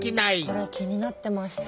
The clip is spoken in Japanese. これ気になってました。